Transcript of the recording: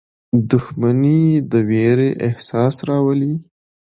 • دښمني د ویرې احساس راولي.